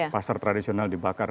pasar tradisional dibakar